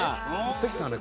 関さんはね。